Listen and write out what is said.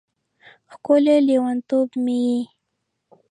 ښکلی لیونتوب مې یې